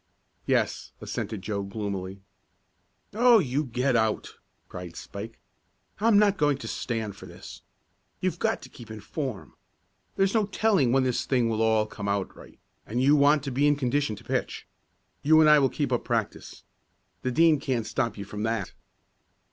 "Yes," assented Joe gloomily. "Oh, you get out!" cried Spike. "I'm not going to stand for this. You've got to keep in form. There's no telling when this thing will all come out right, and you want to be in condition to pitch. You and I will keep up practice. The Dean can't stop you from that."